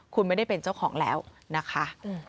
คุณไม่ได้เป็นเจ้าของแล้วนะคะ